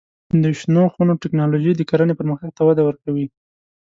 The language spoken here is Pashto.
د شنو خونو تکنالوژي د کرنې پرمختګ ته وده ورکوي.